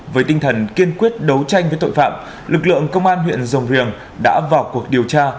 với tinh thần kiên quyết đấu tranh với tội phạm lực lượng công an huyện rồng riềng đã vào cuộc điều tra